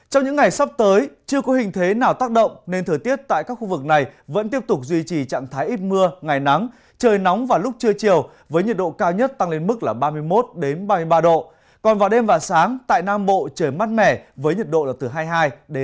trong những ngày sắp tới chưa có hình thế nào tác động nên thời tiết tại các khu vực này vẫn tiếp tục duy trì trạng thái ít mưa ngày nắng trời nóng vào lúc trưa chiều với nhiệt độ cao nhất tăng lên mức là ba mươi một ba mươi ba độ còn vào đêm và sáng tại nam bộ trời mát mẻ với nhiệt độ là từ hai mươi hai ba mươi